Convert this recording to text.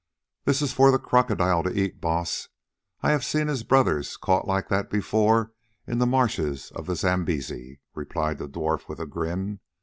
"This is for the Crocodile to eat, Baas; I have seen his brothers caught like that before in the marshes of the Zambesi," replied the dwarf with a grin.